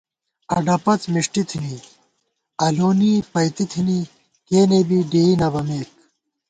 اڈہ پڅ مِݭٹی تھِنی ، الونی پئیتی تھِنی ، کېنے بی ڈېئی نہ بَمېک